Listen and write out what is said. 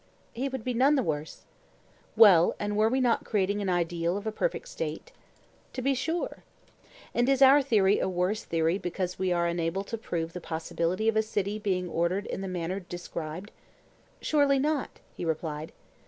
He would be none the worse. Well, and were we not creating an ideal of a perfect State? To be sure. And is our theory a worse theory because we are unable to prove the possibility of a city being ordered in the manner described? Surely not, he replied.